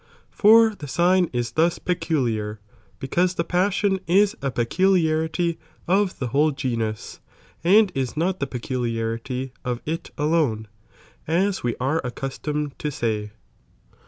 For the sign is thus peculiar, because J"j|°j of Mf*" '''^ passion is a peculiarity of the whole genua, mai ins;i» and is not the peculiarity of it alone,^ aa we are known, accustomed to say.